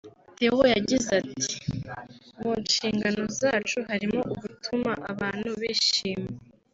Theo yagize ati” Mu nshingano zacu harimo gutuma abantu bishima